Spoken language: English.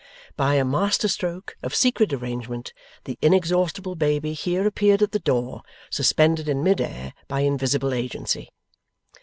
By a master stroke of secret arrangement, the inexhaustible baby here appeared at the door, suspended in mid air by invisible agency.